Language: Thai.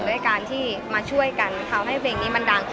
ด้วยการที่มาช่วยกันทำให้เพลงนี้มันดัง